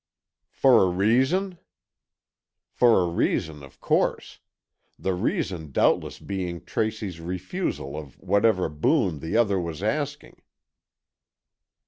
"For a reason?" "For a reason, of course. The reason doubtless being Tracy's refusal of whatever boon the other was asking."